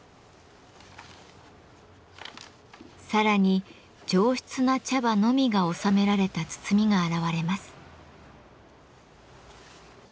さらに上質な茶葉のみが収められた包みが現れます。